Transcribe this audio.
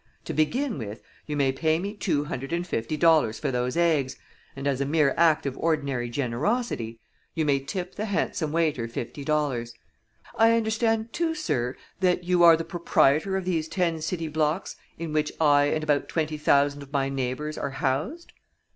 To begin with, you may pay me two hundred and fifty dollars for those eggs, and as a mere act of ordinary generosity, you may tip the handsome waiter fifty dollars. I understand, too, sir, that you are the proprietor of these ten city blocks in which I and about twenty thousand of my neighbors are housed?"